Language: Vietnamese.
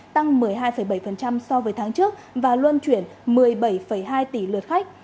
tăng một mươi hai bảy so với tháng trước và luân chuyển một mươi bảy hai tỷ lượt khách